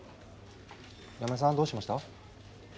山根さんどうしました？